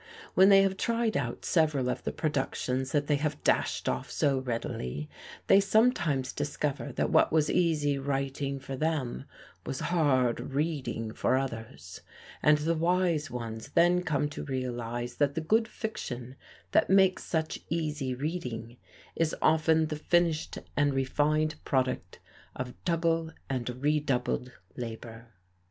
When they have tried out several of the productions that they have dashed off so readily, they sometimes discover that what was easy writing for them was hard reading for others, and the wise ones then come to realize that the good fiction that makes such easy reading is often the finished and refined product of double and re doubled labor.